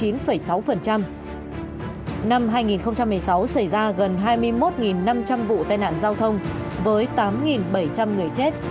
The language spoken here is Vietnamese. năm hai nghìn một mươi sáu xảy ra gần hai mươi một năm trăm linh vụ tai nạn giao thông với tám bảy trăm linh người chết